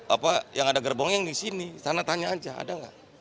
apa yang ada gerbong yang disini sana tanya aja ada gak